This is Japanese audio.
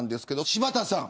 柴田さん